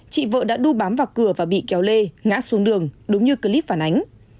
chị vợ đã đu bám vào cửa và bị kéo lê ngã xuống đường đúng như clip phản ánh